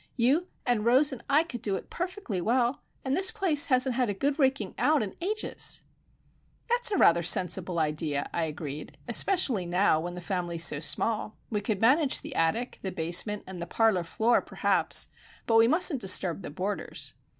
You, and Rose, and I could do it perfectly well; and this place hasn't had a good raking out in ages!" "That's rather a sensible idea," I agreed; "especially now, when the family is so small. We could manage the attic, the basement, and the parlour floor, perhaps; but we mustn't disturb the boarders.